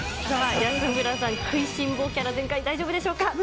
安村さん、食いしん坊キャラ全開、大丈夫でしょうか。